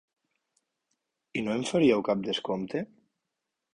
I no em faríeu cap descompte?